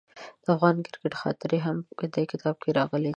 د افغان کرکټ خاطرې هم په دې کتاب کې راغلي دي.